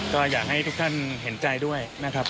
ก็อยากให้ทุกท่านเห็นใจด้วยนะครับ